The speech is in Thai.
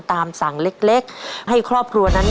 ตามสั่งเล็กให้ครอบครัวนั้น